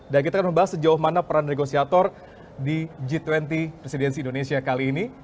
dan kita akan membahas sejauh mana peran negosiator di g dua puluh presidensi indonesia kali ini